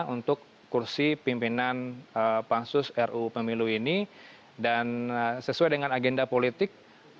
untuk kursi pimpinan pansus ruu pemilu ini dan sesuai dengan agenda politik